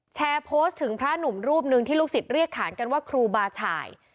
โพสต์ถึงพระหนุ่มรูปนึงที่ลูกศิษย์เรียกขานกันว่าครูบาฉ่าย